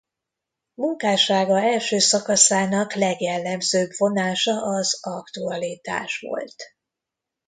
Munkássága első szakaszának legjellemzőbb vonása az aktualitás volt.